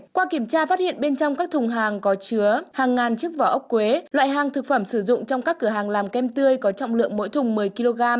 qua kiểm tra phát hiện bên trong các thùng hàng có chứa hàng ngàn chiếc vỏ ốc quế loại hàng thực phẩm sử dụng trong các cửa hàng làm kem tươi có trọng lượng mỗi thùng một mươi kg